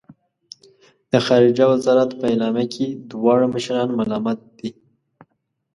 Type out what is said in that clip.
د خارجه وزارت په اعلامیه کې دواړه مشران ملامت دي.